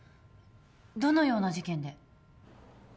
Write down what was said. どのような事件で？